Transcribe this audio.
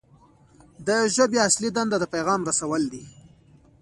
د ژبې اصلي دنده د پیغام رسول دي.